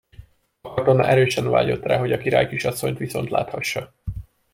A katona erősen vágyott rá, hogy a királykisasszonyt viszontláthassa.